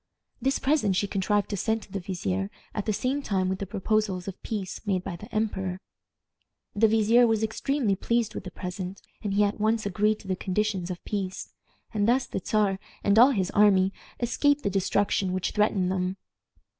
This present she contrived to send to the vizier at the same time with the proposals of peace made by the emperor. The vizier was extremely pleased with the present, and he at once agreed to the conditions of peace, and thus the Czar and all his army escaped the destruction which threatened them.